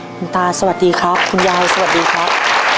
คุณตาสวัสดีครับคุณยายสวัสดีครับ